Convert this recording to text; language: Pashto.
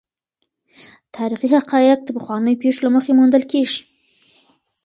تاریخي حقایق د پخوانیو نښو له مخې موندل کیږي.